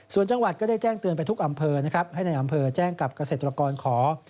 ส่วนจังหวัดก็ได้แจ้งเตือนไปทุกอำเภอนะครับให้ในอำเภอแจ้งกับเกษตรกรขอ